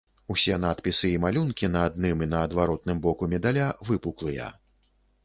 Усе надпісы і малюнкі на адным і на адваротным боку медаля выпуклыя.